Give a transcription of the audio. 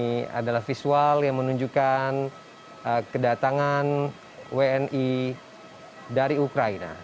ini adalah visual yang menunjukkan kedatangan wni dari ukraina